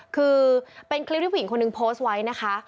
คือเป็นคลิปที่ผู้หญิงคนหนึ่งโพสต์ไว้นะคะ